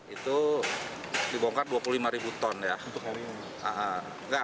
itu dibongkar dua puluh lima ribu ton ya